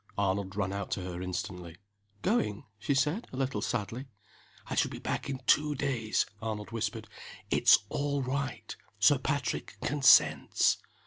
Arnold ran out to her instantly. "Going?" she said, a little sadly. "I shall be back in two days," Arnold whispered. "It's all right! Sir Patrick consents."